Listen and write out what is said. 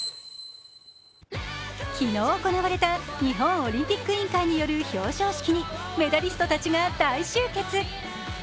昨日行われた日本オリンピック委員会による表彰式にメダリストが大集結。